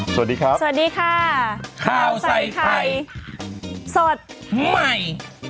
สวัสดีครับสวัสดีค่ะข้าวใส่ไข่สดใหม่